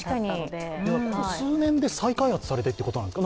ここ数年で再開発されてということなんですか。